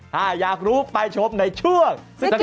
ถ้าอยากรู้ไปชมในช่วงสนุก